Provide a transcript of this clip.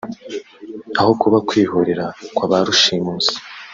aho kuba kwihorera kwa ba rushimusi